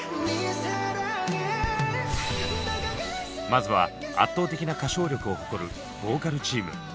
まずは圧倒的な歌唱力を誇る「ボーカル」チーム。